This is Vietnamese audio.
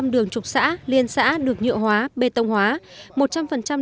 một trăm linh đường trục xã liên xã được nhựa hóa bê tông hóa